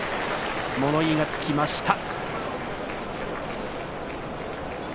物言いがつきました。